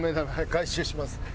回収します。